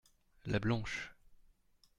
La blanche.